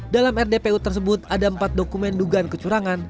dalam rdpu tersebut ada empat dokumen dugaan kecurangan